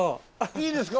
いいですか？